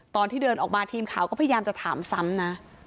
ตอนที่เดินออกมาทีมข่าวก็พยายามจะถามซ้ำนะ